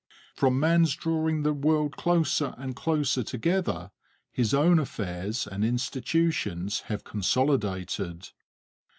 From man's drawing the world closer and closer together, his own affairs and institutions have consolidated.